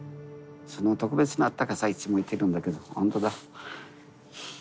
その特別なあったかさいつも言ってるんだけどほんとだ。